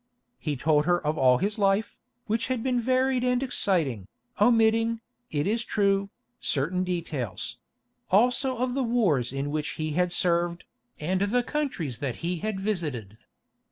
He told her of all his life, which had been varied and exciting, omitting, it is true, certain details; also of the wars in which he had served, and the countries that he had visited.